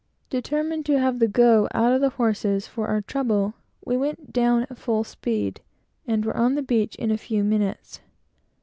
Determined to have "the go" out of the horses, for our trouble, we went down at full speed, and were on the beach in fifteen minutes.